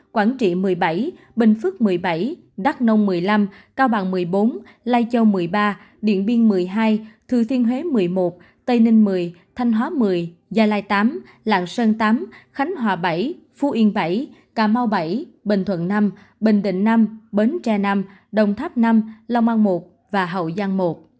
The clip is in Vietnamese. một mươi bảy quảng trị một mươi bảy bình phước một mươi bảy đắk nông một mươi năm cao bằng một mươi bốn lai châu một mươi ba điện biên một mươi hai thư thiên huế một mươi một tây ninh một mươi thanh hóa một mươi gia lai tám lạng sơn tám khánh hòa bảy phu yên bảy cà mau bảy bình thuận năm bình định năm bến tre năm đồng tháp năm long an một hậu giang một